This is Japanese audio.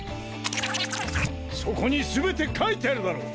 そこにすべてかいてあるだろう！